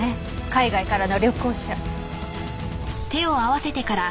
海外からの旅行者。